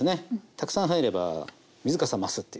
たくさん入れば水かさ増すっていう。